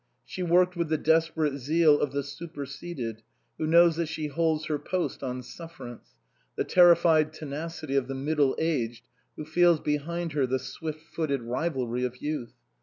She worked with the desperate zeal of the superseded who knows that she holds her post on sufferance, the terrified tenacity of the middle aged who feels behind her the swift footed rivalry of youth.